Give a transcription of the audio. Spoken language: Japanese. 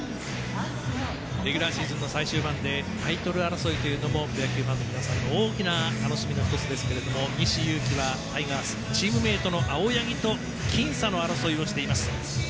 レギュラーシーズンの最終盤でタイトル争いというのもプロ野球ファンの皆さんの大きな楽しみの１つですが西勇輝はタイガースのチームメートの青柳と僅差の争いをしています。